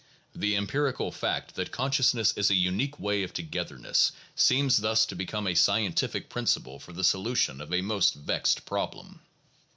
The empirical fact that consciousness is a unique way of togetherness seems thus to become a scientific principle for the solution of a most vexed problem.